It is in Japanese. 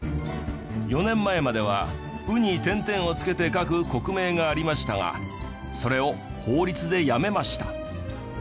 ４年前までは「ウ」に点々を付けて書く国名がありましたがそれを法律でやめました。